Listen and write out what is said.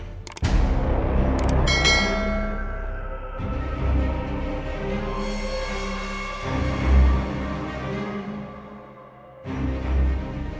perbuatan tercelanya dia ini bisa ketahuan